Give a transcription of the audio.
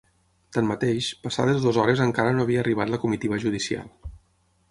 Tanmateix, passades dues hores encara no havia arribat la comitiva judicial.